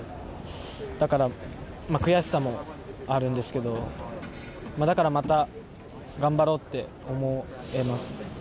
だから悔しさもあるんですけどだからまた頑張ろうって思えます。